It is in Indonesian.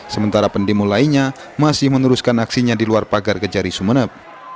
sementara pendemo lainnya masih meneruskan aksinya di luar pagar kejari sumeneb